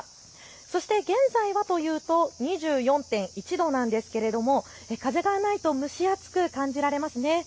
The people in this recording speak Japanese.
そして現在はというと２４．１度なんですけれど風がないと蒸し暑く感じられますね。